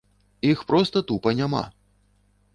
Іх проста тупа няма.